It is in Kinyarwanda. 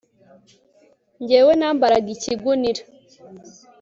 jyewe nambaraga ikigunira